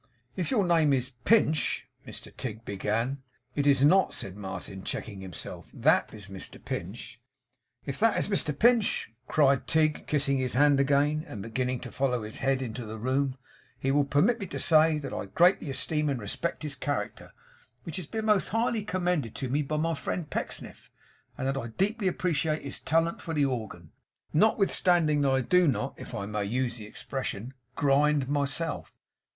'If your name is Pinch' Mr Tigg began. 'It is not' said Martin, checking himself. 'That is Mr Pinch.' 'If that is Mr Pinch,' cried Tigg, kissing his hand again, and beginning to follow his head into the room, 'he will permit me to say that I greatly esteem and respect his character, which has been most highly commended to me by my friend Pecksniff; and that I deeply appreciate his talent for the organ, notwithstanding that I do not, if I may use the expression, grind myself.